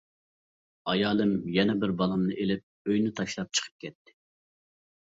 ئايالىم يەنە بىر بالامنى ئېلىپ ئۆينى تاشلاپ چىقىپ كەتتى.